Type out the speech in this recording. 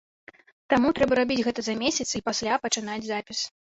Таму трэба рабіць гэта за месяц, і пасля пачынаць запіс.